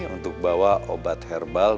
untuk bawa obat herbal